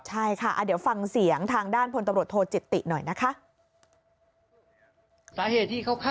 ใช่ค่ะเดี๋ยวฟังเสียงทางด้านพลตำรวจโทจิตติหน่อยนะคะ